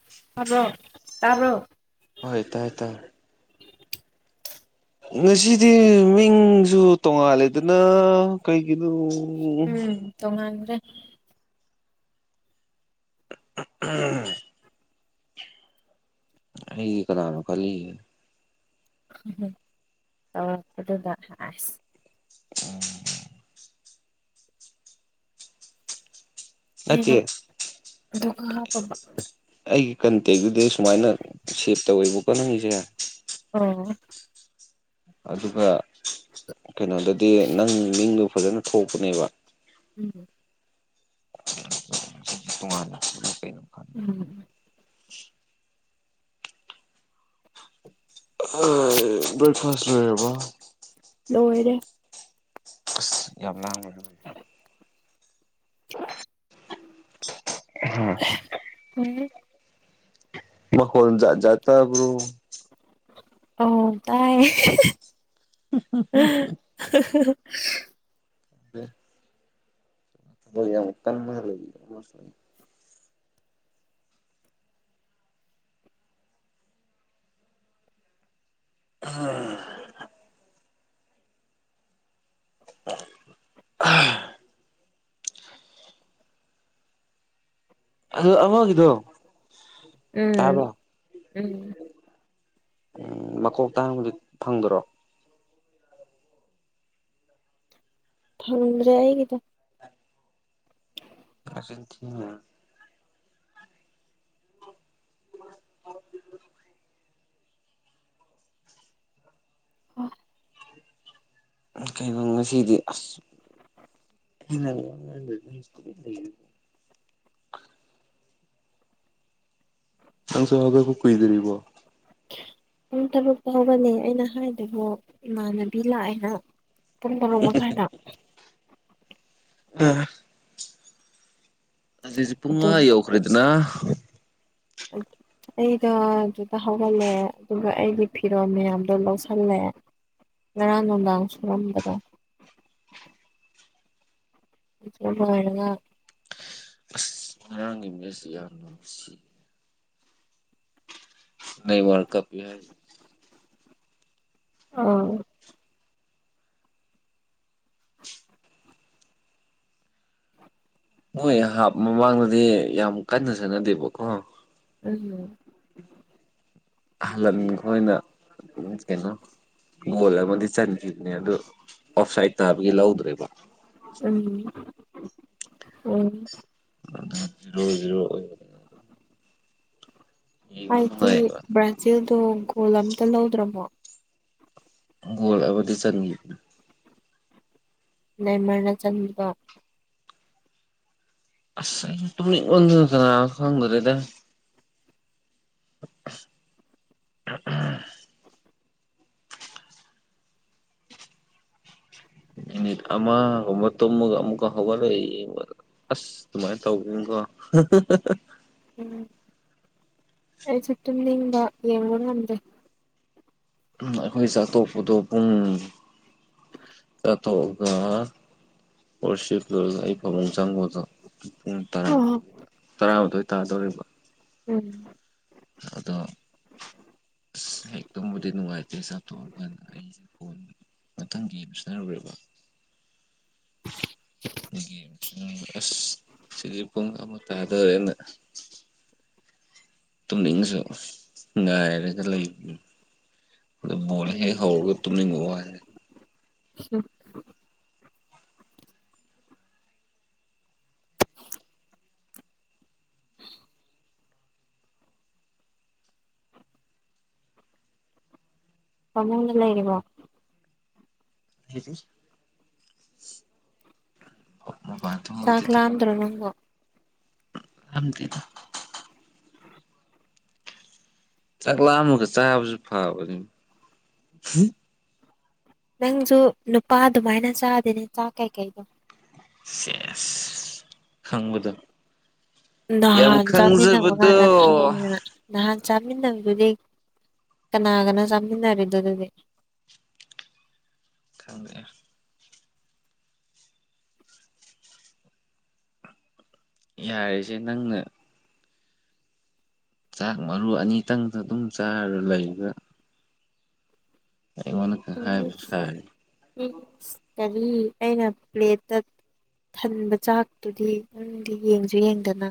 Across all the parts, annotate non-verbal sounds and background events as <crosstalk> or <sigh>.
<unintelligible> ꯇꯗ꯭ꯔꯣ ꯇꯥꯕ꯭ꯔꯣ ꯍꯣꯏ ꯇꯥꯏ ꯇꯥꯏ ꯉꯁꯤꯗꯤ ꯃꯤꯡꯁꯨ ꯇꯣꯡꯉꯥꯜꯂꯦꯗꯅ ꯀꯩꯒꯤꯅꯣ ꯇꯣꯉꯥꯟꯒ꯭ꯔꯦ ꯎꯝ ꯑꯩꯒꯤ ꯀꯅꯥꯥꯅꯣ ꯈꯜꯂꯤ ꯇꯧꯔꯛꯄꯗꯨꯗꯥ ꯑꯁ <unintelligible> ꯑꯩꯅ ꯅꯠꯇꯦ ꯑꯗꯨꯒ ꯍꯥꯞꯄꯝꯕ ꯑꯩꯒꯤ ꯀꯟꯇꯦꯛꯇꯨꯗ ꯁꯨꯃꯥꯏꯅ ꯁꯦꯞ ꯇꯧꯋꯦꯕꯀꯣ ꯅꯪꯒꯤꯁꯦ ꯑꯣ ꯑꯗꯨꯒ ꯀꯩꯅꯣꯗꯗꯤ ꯅꯪ ꯃꯤꯡꯗꯣ ꯐꯖꯅ ꯊꯣꯛꯄꯅꯦꯕ ꯎꯝ ꯇꯣꯉꯥꯟꯅ ꯀꯩꯅꯣ ꯎꯝ ꯕ꯭ꯔꯦꯛꯐꯥꯁ ꯂꯣꯏꯔꯥꯕꯣ ꯂꯣꯏꯔꯦ ꯑꯁ ꯌꯥꯝ ꯂꯥꯡꯒꯅꯨ ꯎꯝ ꯎꯝ ꯃꯈꯣꯟ ꯖꯥꯠ ꯖꯥꯠ ꯇꯥꯕ꯭ꯔꯣ ꯑꯣ ꯇꯥꯏ <unintelligible> <unintelligible> <unintelligible> <unintelligible> ꯌꯥꯝ ꯀꯥꯟ ꯂꯩ <unintelligible> ꯑꯥ ꯑꯥ ꯑꯗꯣ ꯑꯃꯥꯒꯤꯗꯣ ꯎꯝ ꯎꯝ ꯎꯝ ꯃꯀꯣꯛꯇꯥꯡ ꯐꯪꯗ꯭ꯔꯣ ꯐꯡꯒ꯭ꯔꯦ ꯑꯩꯒꯤꯗꯣ ꯆꯤꯟ ꯊꯤꯅꯨꯗꯥ <unintelligible> ꯑꯣ ꯑꯦ ꯀꯩꯅꯣ ꯉꯁꯤꯗꯤ ꯑꯁ ꯏ <unintelligible> ꯅꯪꯁꯨ ꯍꯧꯒꯠ ꯄ ꯀꯨꯏꯗꯔ꯭ꯤꯕꯣ ꯄꯨꯡ ꯇꯔꯨꯛꯇ ꯍꯧꯒꯠꯂꯦ ꯑꯩꯅ ꯍꯥꯏꯗꯨꯕꯨ ꯏꯃꯥꯟꯅꯕꯤ ꯂꯥꯛꯑꯦꯅ ꯄꯨꯡ ꯕꯥꯔꯣ ꯃꯈꯥꯏ ꯗ ꯑ ꯑꯁꯤꯛꯁꯤ ꯄꯨꯡ ꯑꯗꯨ ꯑ ꯌꯧꯈ꯭ꯔꯦꯗꯅ ꯎ ꯑꯩꯗꯣ ꯑꯗꯨꯗ ꯍꯧꯒꯠ ꯂꯦ ꯑꯗꯨꯒ ꯑꯩꯒꯤ ꯐꯤꯔꯣꯜ ꯃꯌꯥꯝꯗꯣ ꯂꯧꯁꯜꯂꯦ ꯉꯔꯥꯡ ꯅꯨꯡꯗꯥꯡ ꯁꯨ ꯃꯥꯝꯕꯗꯣ <unintelligible> ꯑꯁ ꯉꯔꯥꯡꯒꯤ ꯃꯦꯁꯁꯤ ꯌꯥꯝ ꯅꯨꯡꯁꯤ ꯅꯦ ꯋꯥꯔ ꯀꯞ ꯄꯤ ꯍꯥꯏ ꯑꯣ ꯃꯣꯏ ꯍꯥꯞ ꯃꯃꯥꯡꯗꯗꯤ ꯌꯥꯝ ꯀꯟꯅ ꯁꯥꯟ ꯅꯗꯦꯕꯀꯣ ꯎꯝ <unintelligible> ꯍꯂꯟ ꯈꯣꯏꯅ ꯀꯩꯅꯣ ꯒꯣꯜ ꯑꯃꯗꯤ ꯆꯟꯈꯤꯕꯅꯦ ꯑꯗꯨ ꯑꯣꯐ ꯁꯥꯏꯠ ꯇꯥꯕꯒꯤ ꯂꯧꯗ꯭ꯔꯦꯕ ꯎꯝ ꯎꯝ ꯑꯁ ꯂꯣꯢꯗ꯭ꯔꯤꯕꯣ ꯌꯦꯡꯕ ꯍꯥꯏꯗꯤ ꯅꯨꯡꯉꯥꯏꯌꯦꯕ ꯕ꯭ꯔꯥꯖꯤꯜꯗꯣ ꯒꯣꯜ ꯑꯝꯇ ꯂꯧꯗ꯭ꯔꯕꯣ ꯒꯣꯜ ꯑꯃꯗꯤ ꯆꯟꯒꯤꯕꯅꯦ ꯅꯦꯃꯔꯅ ꯆꯟꯒꯤꯕ ꯑꯁ ꯑꯩ ꯇꯨꯝꯅꯤꯡ ꯃꯥꯟꯗꯅ ꯀꯅꯥꯅꯣ ꯈꯪꯗꯔꯦ <unintelligible> ꯥꯃꯤꯅꯤꯠ ꯑꯃ ꯒꯨꯝꯕ ꯇꯨꯝꯃꯒ ꯑꯃꯨꯛ ꯍꯧꯒꯠꯂꯒꯥ ꯌꯦꯡꯕ ꯑꯁ ꯑꯗꯨꯃꯥꯏꯅ ꯇꯧꯕꯅꯤꯀꯣ <unintelligible> ꯎꯝ ꯑꯩꯁꯨ ꯇꯨꯝꯅꯤꯡꯕ ꯌꯦꯡꯕ ꯉꯝꯗꯦ ꯑꯩꯈꯣꯏ ꯆꯛ ꯇꯣꯛꯄꯗꯣ ꯄꯨꯡ ꯑꯊꯣꯛꯑꯒ ꯋꯣꯔꯁꯤꯞ ꯂꯣꯢꯔꯒ ꯑꯩ ꯐꯕꯨꯡ ꯆꯪꯕꯗꯣ ꯄꯨꯡ ꯇꯔꯥ ꯎꯝ ꯇꯔꯥꯃꯊꯣꯏ ꯇꯥꯗꯧꯔꯤꯕ ꯎꯝ ꯑꯗꯣ ꯑꯁ ꯍꯦꯛꯇꯝꯕꯨꯗꯤ ꯅꯨꯡꯉꯥꯏꯇꯦ ꯆꯥꯛꯊꯣꯛꯑꯀꯥꯟꯗ ꯑꯩ ꯐꯣꯟ ꯃꯊꯪꯒꯤ ꯁꯅꯔꯨꯔꯦꯕ <unintelligible> <unintelligible> ꯑꯁ ꯁꯤꯗꯤ ꯄꯨꯡ ꯑꯃ ꯇꯥꯗꯣꯔꯦꯅ ꯇꯨꯝꯅꯤꯡ ꯉꯁꯨ ꯉꯥꯏꯔꯒ ꯂꯩꯕꯅꯤ ꯑꯗꯨ ꯕꯣꯜ ꯍꯦꯛ ꯎꯝ ꯍꯧꯔꯒ ꯇꯨꯝꯅꯤꯡꯕ ꯋꯥꯅꯦ <unintelligible> <unintelligible> ꯄꯃꯨꯡꯗ ꯂꯩꯔꯤꯕꯣ ꯂꯩꯔꯤ <unintelligible> ꯆꯥꯛ ꯂꯝꯗ꯭ꯔꯣ ꯅꯪꯕꯣ ꯂꯥꯝꯗꯦꯗ ꯆꯥꯛ ꯂꯥꯝꯃꯒ ꯆꯥꯕꯖꯨ ꯐꯕꯅꯤ <unintelligible> ꯅꯪꯖꯨ ꯅꯨꯄꯥ ꯑꯗꯨꯃꯥꯏꯅ ꯆꯥꯗꯦꯅꯦ ꯆꯥꯛ ꯀꯩꯀꯩꯗꯣ ꯁꯦꯁ ꯈꯪꯕꯗꯣ ꯌꯥꯝ ꯅꯍꯥꯟ ꯆꯥꯃꯤꯟꯅꯕꯗ ꯈꯪꯖꯕꯗꯣ ꯀꯥꯟꯗ ꯈꯪꯉꯦꯅ ꯅꯍꯥꯟ ꯆꯥꯃꯤꯟꯅꯕꯗꯨꯗꯤ ꯀꯅꯥꯒꯅꯣ ꯆꯥꯃꯤꯟꯅꯔꯤꯗꯣ ꯑꯗꯨꯗꯤ ꯈꯪꯂꯦ ꯌꯥꯔꯦꯁꯦ ꯅꯪꯅ ꯆꯥꯛ ꯃꯔꯨ ꯑꯅꯤꯇꯪꯗꯣ ꯑꯗꯨꯝ ꯆꯥꯔꯒ ꯂꯩꯕ ꯑꯩꯉꯣꯟꯗꯀ ꯍꯥꯏꯕ ꯁꯥꯔꯤ ꯏ꯭ꯁ ꯀꯔꯤ ꯑꯩꯅ ꯄ꯭ꯂꯦꯠꯇ ꯊꯟꯕ ꯆꯥꯛꯇꯨꯗꯤ ꯅꯪꯗꯤ ꯌꯦꯡꯁꯨ ꯌꯦꯡꯗꯅ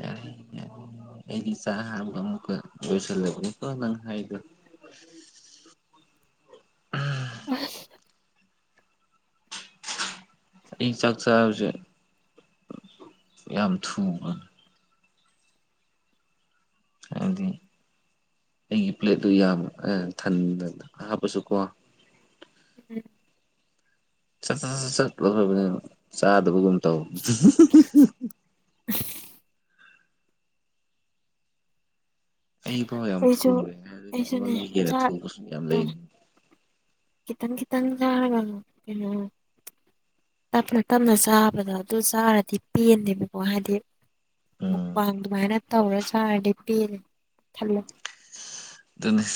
ꯌꯥꯔꯦ ꯌꯥꯔꯦ ꯑꯩꯗꯤ ꯆꯥꯛ ꯍꯕ ꯑꯃꯨꯛꯀ ꯂꯣꯏꯁꯤꯜꯂꯕꯀꯣ ꯅꯪ ꯍꯥꯏꯗꯣ ꯐ ꯑꯁ ꯑꯩ ꯆꯥꯛ ꯆꯥꯕꯁꯦ ꯌꯥꯝ ꯊꯨꯕ ꯍꯥꯏꯕꯗꯤ ꯑꯩꯒꯤ ꯄ꯭ꯂꯦꯠꯇꯨ ꯌꯥꯝ ꯊꯟꯗꯅ ꯍꯥꯞꯄꯁꯨꯀꯣ ꯎꯝ ꯆꯠ ꯆꯠꯂꯣꯈ꯭ꯔꯕꯅꯤꯅ ꯆꯥꯗꯕꯒꯨꯝ ꯇꯧ ꯑꯩꯐꯥꯎ ꯌꯥꯝ ꯑꯩꯁꯨ ꯊꯨꯔꯦ ꯑꯗꯨꯒ ꯑꯩꯁꯨꯅꯦ ꯑꯩꯉꯣꯟꯗꯒꯤ ꯍꯦꯟꯅ ꯆꯥꯛ ꯊꯨꯕꯁꯨ ꯌꯥꯝ ꯂꯩꯔꯤꯅꯤ ꯈꯤꯛꯇꯪ ꯈꯤꯛꯇꯪ ꯆꯔꯒ ꯀꯩꯅꯣ ꯇꯞꯅ ꯇꯞꯅ ꯆꯥꯕꯗ ꯑꯗꯨ ꯆꯥꯔꯗꯤ ꯄꯦꯟꯗꯦꯕꯀꯣ ꯍꯥꯏꯗꯤ ꯎꯝ ꯃꯨꯛꯕꯥꯡ ꯑꯗꯨꯃꯥꯏꯅ ꯇꯧꯔꯥ ꯆꯥꯔꯗꯤ ꯄꯦꯜ ꯈꯜꯂꯦ ꯑꯗꯨꯅꯤ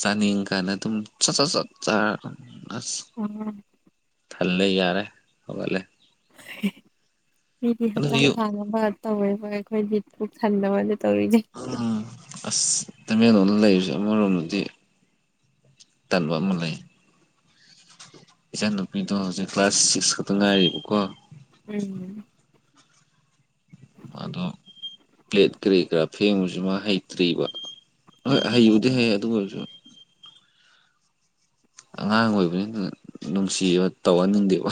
ꯆꯥꯅꯤꯡ ꯀꯥꯟꯅ ꯑꯗꯨꯝ ꯁꯠ ꯁꯠ ꯆꯠ ꯆꯥ ꯑꯁ ꯎꯝ ꯊꯜꯂꯦ ꯌꯥꯔꯦ ꯍꯧꯒꯠꯂꯦ ꯃꯤꯗꯤ ꯑꯗꯨꯒꯤ ꯍꯛꯆꯥꯡ ꯌꯨ ꯐꯥꯅꯕ ꯇꯧꯋꯦꯕ ꯑꯩꯈꯣꯏꯗꯤ ꯄꯨꯨ ꯊꯟꯅꯕꯗ ꯇꯧꯔꯤꯅꯦ ꯎꯝ ꯑꯁ ꯇꯃꯦꯡꯂꯣꯡꯗ ꯂꯩꯔꯤꯁꯦ ꯑꯃꯔꯣꯝꯗꯗꯤ ꯇꯟꯕ ꯑꯃ ꯂꯩ ꯏꯆꯥꯟ ꯅꯨꯨꯄꯤꯗꯣ ꯍꯧꯖꯤꯛ ꯀ꯭ꯂꯥꯁ ꯁꯤꯛ꯭ꯁ ꯈꯛꯇ ꯉꯥꯏꯔꯤꯕꯀꯣ ꯎꯝ ꯑꯗꯣ ꯄ꯭ꯂꯦꯠ ꯀꯔꯤ ꯀꯔꯥ ꯐꯦꯡꯕꯁꯤ ꯃꯥ ꯍꯩꯇ꯭ꯔꯤꯕ ꯍꯣꯏ ꯎꯝ ꯍꯩꯕꯨꯗꯤ ꯍꯥꯢ ꯑꯗꯨ ꯑꯣꯏꯔꯁꯨ ꯑꯉꯥꯡ ꯑꯣꯏꯕꯅꯤꯅ ꯅꯨꯡꯁꯤꯕ ꯇꯧꯍꯟꯅꯤꯡꯗꯦꯕ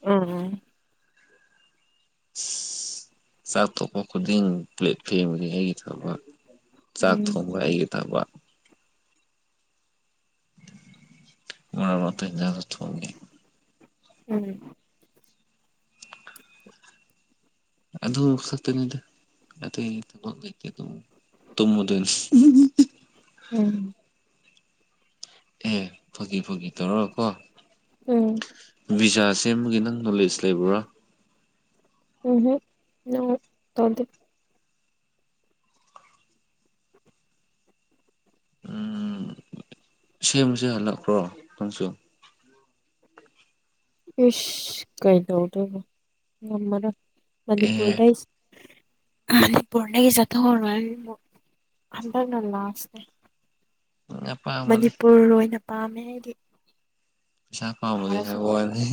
ꯎꯝ ꯎꯝ ꯆꯥꯛ ꯇꯣꯛꯄ ꯈꯨꯗꯤꯡ ꯄ꯭ꯂꯦꯠ ꯐꯦꯡꯕꯗꯤ ꯑꯩꯒꯤ ꯊꯕꯛ ꯆꯥꯛ ꯎꯝ ꯊꯣꯡꯕ ꯑꯩꯒꯤ ꯊꯕꯛ ꯃꯔꯛ ꯃꯔꯛꯇ ꯌꯦꯡꯁꯥꯡꯁꯨ ꯊꯣꯡꯏ ꯎꯝ ꯑꯗꯨ ꯈꯛꯇꯅꯤꯗ ꯑꯇꯩ ꯊꯕꯛ ꯂꯩꯇꯦ ꯑꯗꯨꯝ ꯇꯨꯝꯃꯗꯣꯏꯅꯤ ꯎꯝ ꯑꯦ ꯐꯒꯤ ꯐꯒꯤ ꯇꯧꯔꯀꯣ ꯎꯝ ꯕꯤꯖꯥ ꯁꯦꯝꯕꯒꯤ ꯅꯪ ꯅꯣꯂꯦꯖ ꯂꯩꯕ꯭ꯔꯥ ꯎꯝ ꯍꯝ ꯎ ꯇꯗ ꯎꯝ ꯁꯦꯝꯕꯁꯦ ꯍꯜꯂꯛꯄ꯭ꯔꯣ ꯅꯪꯁꯨ ꯏꯁ ꯀꯥꯏ ꯇꯧꯗ ꯉꯅ ꯑꯦ ꯃꯅꯤꯄꯨꯔꯗ ꯐꯅꯦꯒꯤ ꯆꯠꯇ ꯍꯣ ꯍꯟꯗꯒꯅꯂ ꯑꯁꯦ ꯎ ꯃꯅꯤꯄꯨꯔ ꯑꯣꯏꯅ ꯄꯥꯝꯃꯦ ꯍꯥꯏꯗꯤ ꯄꯁꯥ ꯐꯥꯝꯗ ꯐꯠꯇꯔꯁꯨ ꯍꯅꯦꯦ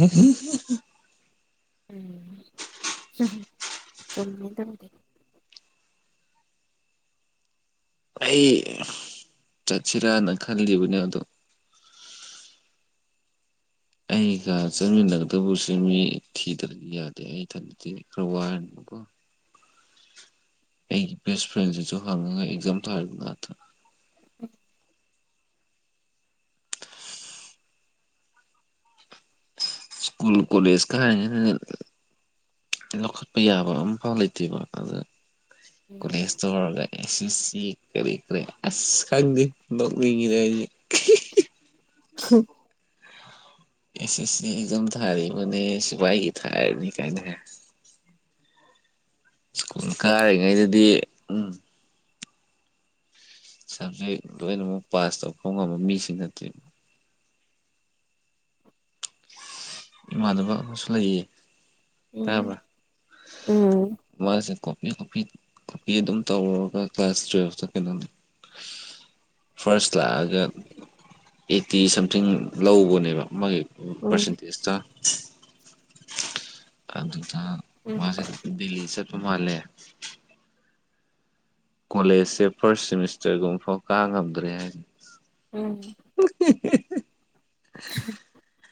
ꯎꯝ ꯆꯨꯝꯃꯦ ꯇꯝꯒꯦ ꯑꯩ ꯆꯠꯁꯤꯔꯥꯅ ꯈꯜꯂꯤꯕꯅꯦ ꯑꯗꯣ ꯑꯩꯒ ꯆꯠꯃꯤꯟꯅꯗꯕꯁꯨ ꯃꯤ ꯊꯤꯗ꯭ꯔꯗꯤ ꯌꯥꯗꯦ ꯑꯩꯊꯟꯗꯤ ꯈꯔ ꯋꯥꯔꯅꯤ <inaudible> <unintelligible> ꯑꯩꯒꯤ ꯕꯦꯁ ꯐ꯭ꯔꯦꯟꯁꯤꯁꯨ ꯍꯪꯉꯒ ꯑꯦꯛꯖꯥꯝ ꯊꯔꯤꯕ ꯉꯥꯛꯇ <unintelligible> ꯁꯀꯨꯜ ꯀꯣꯂꯦꯖ ꯀ ꯂꯧꯈꯠꯄ ꯌꯥꯕ ꯑꯃꯝꯐꯥꯎ ꯂꯩꯇꯦꯕ ꯑꯗ ꯀꯣꯂꯦꯖꯇ ꯑꯣꯏꯔꯒ ꯁꯤ ꯁꯤ ꯀꯔꯦ ꯀꯔꯦ ꯑꯁ ꯈꯪꯗꯤ ꯅꫭꯛꯅꯤꯡꯉꯤꯗ ꯑꯩꯗꯤ ꯍꯝ ꯑꯦ ꯑꯦꯁ ꯁꯤ ꯑꯦꯛꯖꯝ ꯊꯥꯔꯤꯕꯅꯦ ꯁꯤꯚꯏꯒꯤ ꯊꯥꯔꯅꯤ ꯀꯥꯏꯅ ꯁ꯭ꯀꯨꯜ ꯀꯥꯔꯤꯉꯩꯗꯗꯤ ꯎꯝ ꯁꯕꯖꯦꯛ ꯂꯣꯏꯅꯃꯛ ꯄꯥꯁ ꯇꯧ ꯉꯝꯕ ꯃꯤꯁꯨ ꯅꯠꯇꯦ ꯏꯃꯥꯗꯅꯕ ꯑꯃꯁꯨ ꯂꯩꯌꯦ ꯎꯝ ꯇꯕ꯭ꯔꯥ ꯎꯝ ꯃꯥꯁꯦ ꯀꯣꯄꯤ ꯀꯣꯄꯤ ꯀꫭꯄꯤ ꯑꯗꯨꯝ ꯇꯧꯔꯒ ꯀ꯭ꯂꯥꯁ ꯇꯨꯋꯦꯜꯐꯇ ꯀꯩꯅꯣꯅꯤ ꯐꯥꯔꯁ ꯂꯥꯛꯑꯒ ꯑꯦꯠꯇꯤ ꯁꯝꯊꯤꯡ ꯂꯧꯕꯅꯦꯕ ꯃꯥꯒꯤ ꯎꯝ ꯄꯔꯁꯦꯟꯇꯦꯖꯇ ꯑꯗꯨꯗ ꯎꯝ ꯃꯥꯁ ꯗꯜꯂꯤ ꯆꯠꯄ ꯃꯥꯂꯦ ꯀꯣꯂꯦꯖꯁꯦ ꯐꯥꯔꯁꯠ ꯁꯤꯃꯤꯁꯇꯔꯒꯨꯝꯕ ꯐꯥꯎ ꯀꯥ ꯉꯝꯗ꯭ꯔꯦ ꯍꯥꯏꯅꯤ ꯎꯝ <unintelligible> <unintelligible>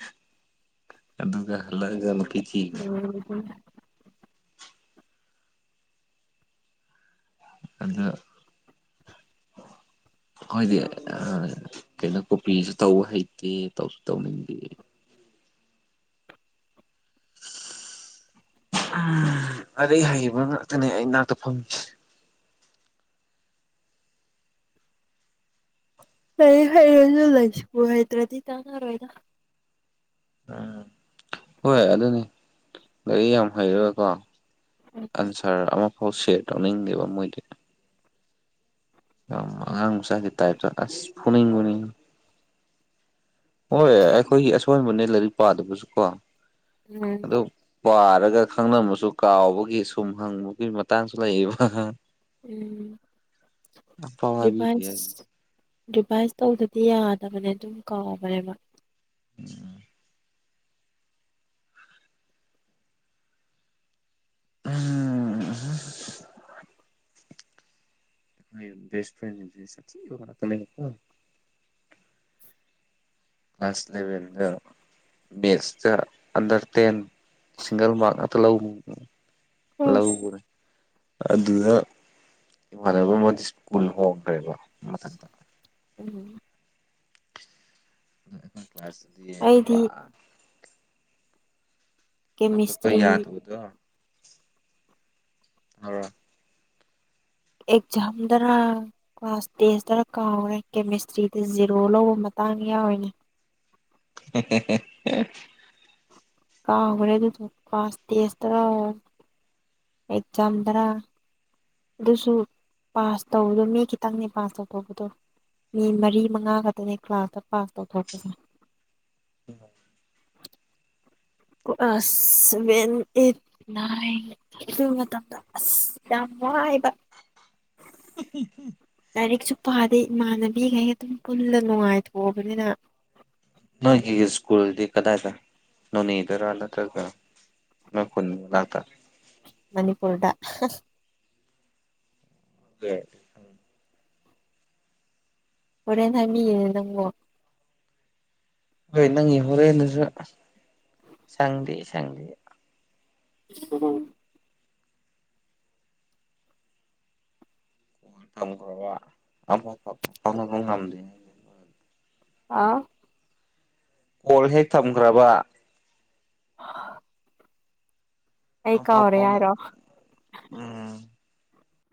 ꯑꯗꯨꯒ ꯍꯂꯛ ꯎꯝ ꯑꯗ <unintelligible> ꯑꯩꯈꫭꯏꯗꯤ ꯀꯩꯅꯣ ꯀꯣꯄꯤꯁꯨ ꯇꯧꯕ ꯍꯩꯇꯦ ꯇꯧꯁꯨ ꯇꯧꯅꯤꯡꯗꯦ ꯎꯝ ꯑꯗꯩ ꯍꯩꯕ ꯉꯥꯛꯇꯅꯦ ꯑꯩ ꯅꯥꯛꯇ ꯐꯪ ꯂꯥꯏꯔꯤꯛ ꯍꯩꯔꯁꯨ ꯂꯥꯏꯁꯨ ꯍꯩꯇꯔꯗꯤꯀꯥꯅꯔꫭꯏꯗ ꯎꯝ ꯍꯣꯏ ꯑꯗꯨꯅꯤ ꯂꯥꯏꯔꯤꯛ ꯌꯥꯝ ꯍꯩꯔ ꯒꯀꯣ ꯎꯝ ꯑꯟꯁꯥꯔ ꯑꯃꯐꯥꯎ ꯁꯤꯌꯔ ꯇꯧꯅꯤꯡꯗꯦꯕ ꯃꯣꯏꯗꯤ ꯌꯥꯝ ꯑꯉꯥꯡ ꯃꯆꯥꯒꯤ ꯇꯥꯏꯞꯇ ꯑꯁ ꯐꯨꯅꯤꯡꯕꯅꯤ ꯍꯣꯏ ꯑꯩꯈꯣꯏꯒꯤ ꯑꯁꯣꯟꯕꯅꯦ ꯂꯥꯏꯔꯤꯛ ꯄꯥꯗꯕꯁꯨꯀꯣ ꯑꯗꯨ ꯋꯥꯔꯒ ꯈꯪꯅꯃꯁꯨ ꯀꯥꯎꯕꯒꯤ ꯁꯨꯝ ꯍꯪꯕꯒꯤ ꯃꯇꯥꯡꯁꯨ ꯂꯩꯌꯦꯕ ꯑꯐꯥꯎ ꯍꯥꯏꯕꯤꯗꯦ ꯔꯤꯚꯥꯟꯁ ꯍꯥꯏꯁꯦ ꯔꯤꯚꯥꯏꯁ ꯇꯧꯗꯗꯤ ꯌꯥꯗꯕꯅꯦ ꯑꯗꯨꯝ ꯀꯥꯎꯕꯅꯦꯕ ꯎꯝ ꯎꯝ ꯎ <unintelligible> ꯕꯦꯁ ꯐ꯭ꯔꯦꯟꯁꯤꯁꯦ ꯁꯊꯤꯕ ꯉꯥꯛꯇꯅꯦꯕꯀꯣ ꯂꯥꯁ ꯂꯩꯕꯗ ꯃꯦꯠꯁꯇ ꯑꯟꯗꯔ ꯇꯦꯟ ꯁꯤꯡꯒꯜ ꯃꯥꯔꯛ ꯉꯥꯛꯇ ꯂꯧꯕ ꯎꯝ ꯂꯧꯒꯔꯦ ꯑꯗꯨꯗ ꯏꯃꯥꯟꯅꯕ ꯑꯃꯗꯤ ꯁ꯭ꯀꯨꯜ ꯍꯣꯡꯈ꯭ꯔꯦꯕ ꯃꯊꯛꯇ ꯎꯝ ꯑꯗꯨꯅ ꯑꯈꯣꯏ ꯀ꯭ꯂꯥꯁ ꯇꯗꯤ ꯑꯩꯗꯤ ꯄꯨꯔꯥ ꯂꯧꯈꯠꯄ ꯀꯦꯃꯤꯁꯇ꯭ꯔꯤ ꯌꯥꯗꯕꯗꯣ ꯇꯥꯕꯔ ꯑꯦꯛꯖꯥꯝꯗꯔ ꯀ꯭ꯂꯥꯁ ꯇꯦꯁꯇꯔ ꯀꯥꯎꯈꯔꯦ ꯀꯦꯃꯤꯁꯇ꯭ꯔꯤꯗ ꯖꯦꯔꯣ ꯂꯧꯕ ꯃꯇꯥꯡ ꯌꯥꯎꯔꯤꯅꯦ <unintelligible> ꯑꯦ ꯀꯥꯎꯒꯔꯦ ꯑꯗꯨꯗꯣ ꯀ꯭ꯂꯥꯁ ꯇꯦꯁꯇꯔꯥ ꯑꯦꯛꯖꯥꯝꯗꯔꯥ ꯑꯗꯨꯁꯨ ꯄꯥꯁ ꯇꯧꯕꯗꯣ ꯃꯤ ꯈꯤꯇꯪꯅꯦ ꯄꯥꯁ ꯇꯧꯊꯣꯛꯄꯗꯣ ꯃꯤ ꯃꯔꯤ ꯃꯉꯥ ꯈꯛꯇꯅꯦ ꯀ꯭ꯂꯥꯁꯇ ꯄꯥꯁ ꯇꯧꯊꯣꯛꯄꯁꯦ <inaudible> <unintelligible> ꯁꯚꯦꯟ ꯑꯩꯠ ꯅꯥꯏꯟ ꯑꯗꯨ ꯃꯇꯝꯗ ꯑꯁ ꯌꯥꯝ ꯋꯥꯏꯕ <unintelligible> ꯂꯥꯏꯔꯤꯛꯁꯨ ꯄꯥꯗꯦ ꯏꯃꯥꯟꯅꯕꯤꯈꯩ ꯑꯗꯨꯝ ꯄꯨꯜꯂ ꯅꯨꯡꯉꯥꯏꯊꯣꯛꯑꯕꯅꯤꯅ ꯅꯣꯏꯒꯤ ꯁ꯭ꯀꯨꯜꯗꯤ ꯀꯗꯥꯏꯗ ꯅꯣꯅꯦꯗꯔꯥ ꯅꯠꯇ꯭ꯔꯒ ꯅꯣꯏ ꯈꯨꯟ ꯃꯅꯥꯛꯇ ꯃꯅꯤꯄꯨꯔꯗ ꯍ <unintelligible> ꯍꯣꯔꯦꯟ ꯍꯥꯏꯕꯤꯒꯦꯅꯦ ꯅꯪꯕꯣ ꯍꯣꯏ ꯅꯪꯒꯤ ꯍꯣꯔꯦꯟꯗꯨꯁꯨ ꯁꯪꯗꯦ ꯁꯪꯗꯦ <inaudible> <unintelligible> ꯊꯝꯈ꯭ꯔꯕ <unintelligible> ꯐꯥꯎ ꯉꯝꯗꯦ ꯑꯥ ꯀꯣꯜ ꯍꯦꯛ ꯊꯝꯈ꯭ꯔꯕ <inaudible> ꯑꯩ <unintelligible> ꯀꯥꯎꯔꯦ ꯐꯥꯎꯅ ꯍꯥꯏꯔꯣ ꯎꯝ